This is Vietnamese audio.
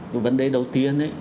cái vấn đề đầu tiên ấy